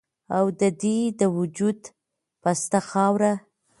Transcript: او د دې د وجود پسته خاوره